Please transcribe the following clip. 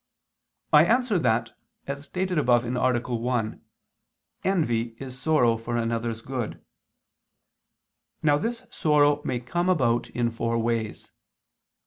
I answer that, As stated above (A. 1), envy is sorrow for another's good. Now this sorrow may come about in four ways.